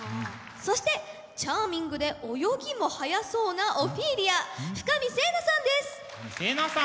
そしてチャーミングで泳ぎも速そうなオフィーリア深見星奈さんです。